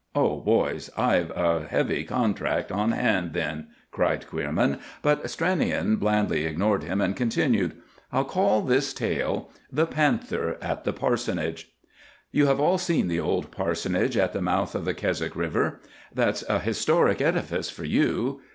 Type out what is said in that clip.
"Oh, boys, I've a heavy contract on hand then," cried Queerman. But Stranion blandly ignored him, and continued,— "I'll call this tale— 'THE PANTHER AT THE PARSONAGE.' "You have all seen the old parsonage at the mouth of the Keswick River. That's a historic edifice for you!